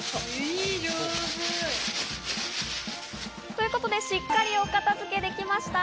ということで、しっかりお片付けてきました。